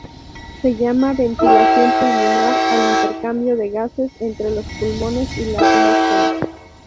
Se llama ventilación pulmonar al intercambio de gases entre los pulmones y la atmósfera.